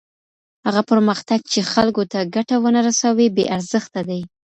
هغه پرمختګ چی خلګو ته ګټه ونه رسوي بې ارزښته دی.